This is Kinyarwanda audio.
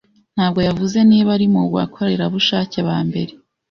ntabwo yavuze niba ari mu bakorerabushake ba mbere